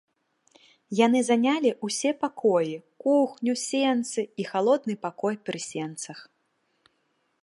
Яны занялі ўсе пакоі, кухню, сенцы і халодны пакой пры сенцах.